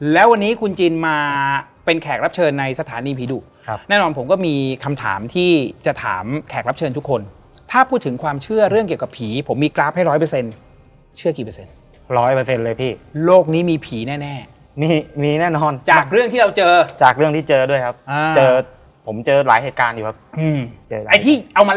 แล้ววันนี้คุณจินมาเป็นแขกรับเชิญในสถานีผีดุครับแน่นอนผมก็มีคำถามที่จะถามแขกรับเชิญทุกคนถ้าพูดถึงความเชื่อเรื่องเกี่ยวกับผีผมมีกราฟให้